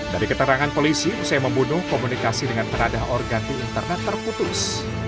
dari keterangan polisi usai membunuh komunikasi dengan teradah organti internet terputus